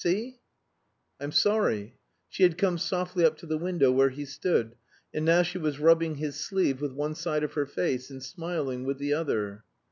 See?" "I'm sorry." She had come softly up to the window where he stood; and now she was rubbing his sleeve with one side of her face and smiling with the other.